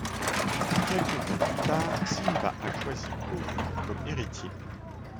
Quelque temps plus tard, Simba a choisi Kovu comme héritier.